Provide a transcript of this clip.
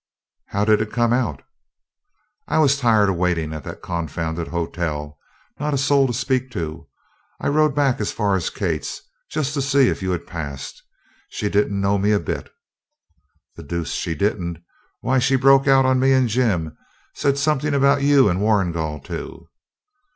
'How did it come out?' 'I was tired of waiting at that confounded hotel not a soul to speak to. I rode back as far as Kate's, just to see if you had passed. She didn't know me a bit.' 'The deuce she didn't! Why, she broke out on me and Jim. Said something about you and Warrigal too.'